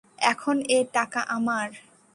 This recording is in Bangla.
এখন এ টাকা আমার।